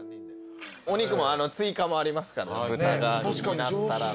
お肉も追加もありますから豚が気になったら。